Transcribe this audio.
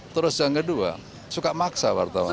terus yang kedua suka maksa wartawan